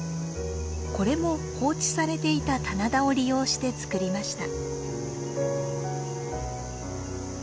これも放置されていた棚田を利用して作りました。